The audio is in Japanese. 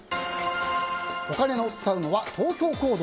お金を使うのは投票行動。